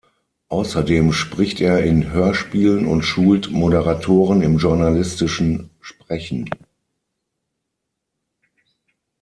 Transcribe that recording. Außerdem spricht er in Hörspielen und schult Moderatoren im journalistischen Sprechen.